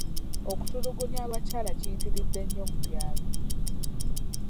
Okutulugunya abakyala kuyitiridde nnyo mu byalo.